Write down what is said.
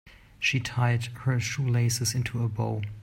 She tied her shoelaces into a bow.